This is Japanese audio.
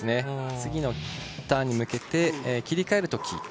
次のターンに向けて切り替えるとき